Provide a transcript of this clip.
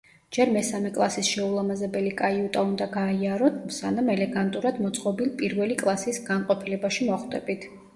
ჯერ მესამე კლასის შეულამაზებელი კაიუტა უნდა გაიაროთ, სანამ ელეგანტურად მოწყობილ პირველი კლასის განყოფილებაში მოხვდებით.